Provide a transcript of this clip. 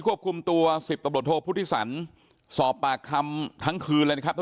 ควบคุมตัวสิบตำรวจโทพุทธิสันสอบปากคำทั้งคืนเลยนะครับทุก